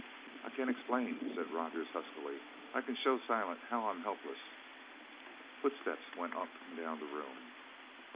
"I c'n explain," said Rogers huskily. "I c'n show Silent how I'm helpless." Footsteps went up and down the room.